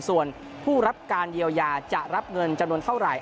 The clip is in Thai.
ส่วนผู้รับการเยียวยาจะรับเงินจำนวนเท่าไหร่